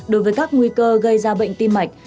đối với các nguy cơ gây ra bệnh tim mạch